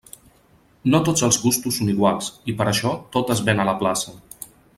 No tots els gustos són iguals, i per això tot es ven en la plaça.